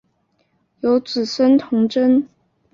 有子孙同珍。